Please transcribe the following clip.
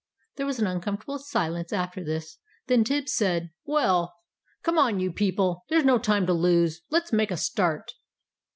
There was an uncomfortable silence after this. Then Tibbs said "Well, come on, you people! There's no time to lose. Let's make a start."